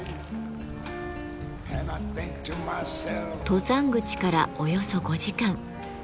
登山口からおよそ５時間。